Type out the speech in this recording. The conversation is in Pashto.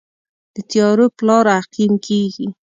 د تیارو پلار عقیم کیږي